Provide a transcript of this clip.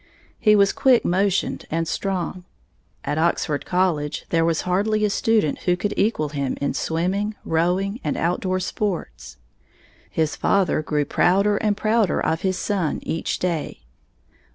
He was quick motioned and strong. At Oxford College there was hardly a student who could equal him in swimming, rowing, and outdoor sports. His father grew prouder and prouder of his son each day.